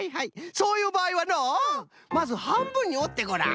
そういうばあいはのまずはんぶんにおってごらん。